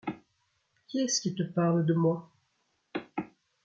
Qui est-ce qui te parle de moi ?